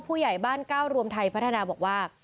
ผู้ใหญ่บ้านก้าวรวมไทยพัฒนาบอกว่า